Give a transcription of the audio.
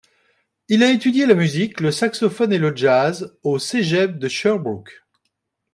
Il a étudié la musique, le saxophone et le jazz, au Cégep de Sherbrooke.